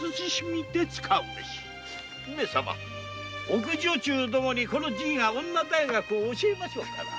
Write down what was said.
上様奥女中どもにこのじぃが「女大学」を教えましょうかな。